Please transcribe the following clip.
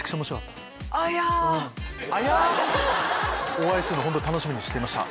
お会いするのを本当に楽しみにしていました。